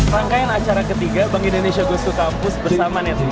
rangkaian acara ketiga bang indonesia gustu kampus bersama netweek